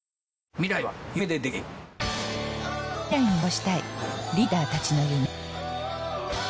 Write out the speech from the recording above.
未来に残したいリーダーたちの夢。